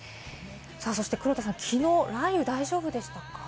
そして黒田さん、きのう雷雨は大丈夫でしたか？